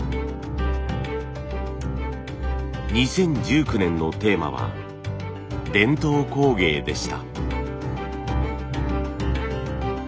２０１９年のテーマは「伝統工芸」でした。